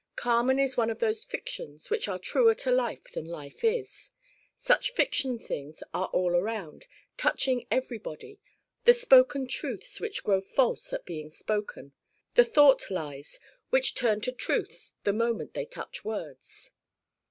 Carmen is one of those fictions which are truer to life than life is. Such fiction things are all around, touching everybody: the spoken truths which grow false at being spoken: the thought lies which turn to truths the moment they touch words.